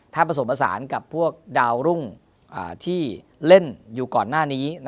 ถ้าผสมผสานกับพวกดาวรุ่งที่เล่นอยู่ก่อนหน้านี้